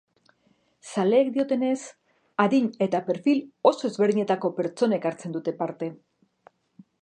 Zaleek diotenez, adin eta perfil oso ezberdinetako pertsonek hartzen dute parte.